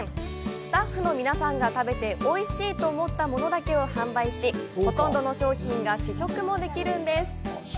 スタッフの皆さんが食べておいしいと思ったものだけを販売し、ほとんどの商品が試食もできるんです。